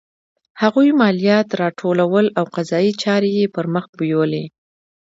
هغوی مالیات راټولول او قضایي چارې یې پرمخ بیولې.